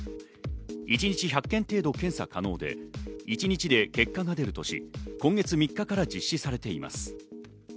一日１００件程度、検査可能で、一日で結果が出るとし、今月３日から実施されています。